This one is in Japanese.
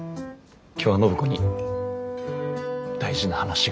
今日は暢子に大事な話が。